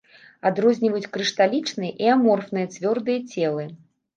Адрозніваюць крышталічныя і аморфныя цвёрдыя целы.